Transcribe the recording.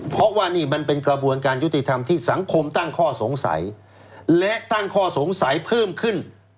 เพราะว่านี่มันเป็นกระบวนการยุติธรรมที่สังคมตั้งข้อสงสัยและตั้งข้อสงสัยเพิ่มขึ้น